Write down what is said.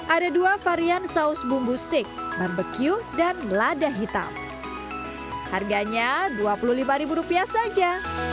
ada dua varian saus bumbu steak barbecue dan lada hitam harganya dua puluh lima rupiah saja